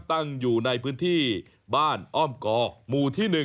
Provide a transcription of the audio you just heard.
ตั้งอยู่ในพื้นที่บ้านอ้อมกอหมู่ที่๑